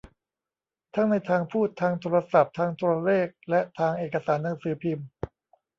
ทั้งในทางพูด ทางโทรศัพท์ ทางโทรเลข และทางเอกสารหนังสือพิมพ์